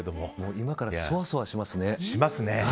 今からそわそわしますね。